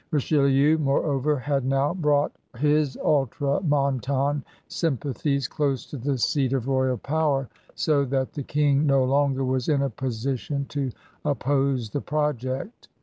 Richelieu, moreover, had now brought his Ultramontane sympathies close to the seat of 116 CRUSADERS OF NEW FRANCE royal power, so that the King no longer was m a position to oppose the project.